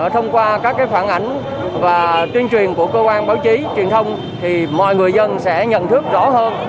tổng và tuyên truyền của cơ quan báo chí truyền thông thì mọi người dân sẽ nhận thức rõ hơn